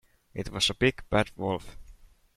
It was a big, bad wolf.